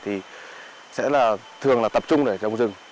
thì sẽ thường là tập trung để trồng rừng